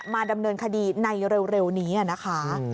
มาดำเนินคดีในเร็วนี้นะคะ